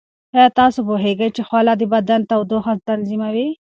ایا تاسو پوهیږئ چې خوله د بدن تودوخه تنظیموي؟